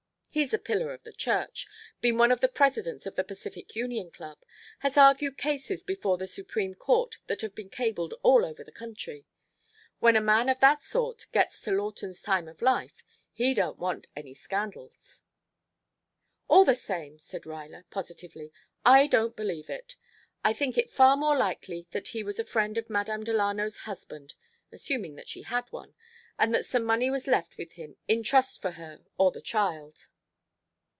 He's a pillar of the church, been one of the Presidents of the Pacific Union Club, has argued cases before the Supreme Court that have been cabled all over the country. When a man of that sort gets to Lawton's time of life he don't want any scandals." "All the same," said Ruyler positively, "I don't believe it. I think it far more likely that he was a friend of Madame Delano's husband assuming that she had one and that some money was left with him in trust for her or the child."